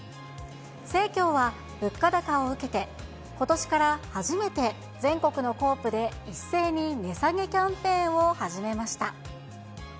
生協は物価高を受けて、ことしから初めて、全国のコープで一斉に値下げキャンペーンを始めました。